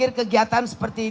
eh belum dapet